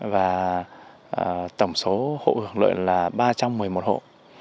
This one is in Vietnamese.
và tổng số hộ hưởng lợi là ba trăm một mươi một hộ